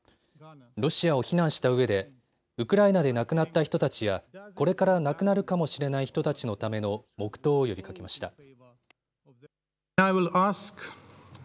ロシアを非難したうえでウクライナで亡くなった人たちやこれから亡くなるかもしれない人たちのための黙とうを呼びかけました。